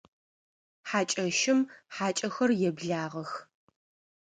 Хьакӏэщым хьакӏэхэр еблагъэх.